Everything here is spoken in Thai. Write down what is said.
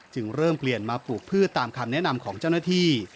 จึงเริ่มเปลี่ยนมาปลูกพืชตามคำแนะนำของเจ้าหน้าที่